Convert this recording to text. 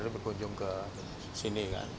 berkunjung ke sini kan